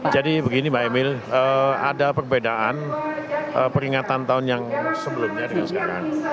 jadi begini mbak emil ada perbedaan peringatan tahun yang sebelumnya dengan sekarang